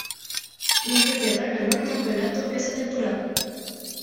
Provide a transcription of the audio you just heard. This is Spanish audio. Inglaterra ganó el campeonato esa temporada.